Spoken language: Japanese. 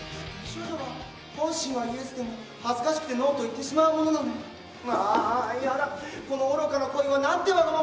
本心はイエスでも恥ずかしくてノーと言ってしまうものなの。